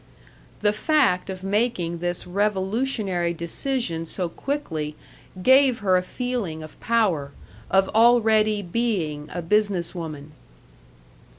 The fact of making this revolutionary decision so quickly gave her a feeling of power, of already being a business woman.